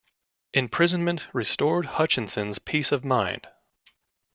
Imprisonment restored Hutchinson's peace of mind.